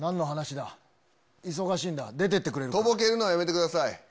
とぼけるのはやめてください。